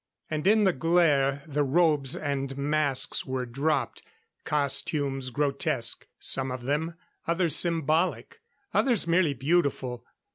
And in the glare, the robes and masks were dropped. Costumes grotesque, some of them; others symbolic; others merely beautiful.